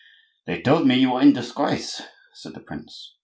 "They told me you were in disgrace," said the prince.